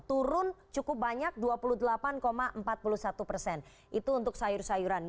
turun cukup banyak dua puluh delapan empat puluh satu persen itu untuk sayur sayuran